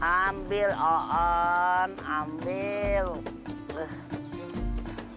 aku akan menang